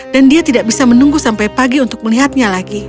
dan dia tidak bisa menunggu sampai pagi untuk melihatnya lagi